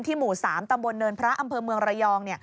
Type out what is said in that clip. หมู่๓ตำบลเนินพระอำเภอเมืองระยอง